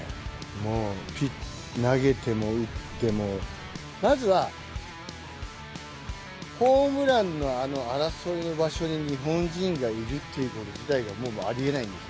もう、投げても打っても、まずはホームランのあの争いの場所に、日本人がいるっていうこと自体がもうありえないんですよ。